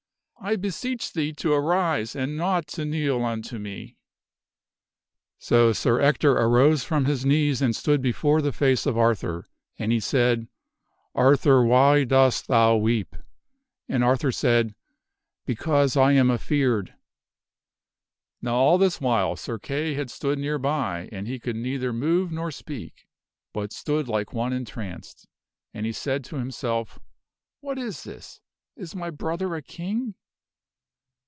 I beseech thee to arise and not to kneel unto me." So Sir Ector arose from his knees and stood before the face of Arthur, and he said, " Arthur, why dost thou weep?" And Arthur said, "Because I am afeard." Now all this while Sir Kay had stood near by and he could neither move nor speak, but stood like one entranced, and he said to himself, "What is this? Is my brother a King?"